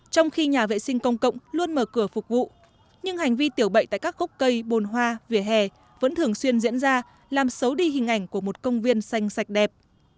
trong khi nhà vệ sinh công cộng luôn mở cửa phục vụ nhưng hành vi tiểu bậy tại các khúc cây bồn hoa vỉa hè vẫn thường xuyên diễn ra làm xấu đi hình ảnh của một công viên xanh sạch đẹp